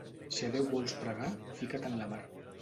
Si a Déu vols pregar, fica't en la mar.